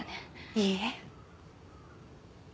いいえ。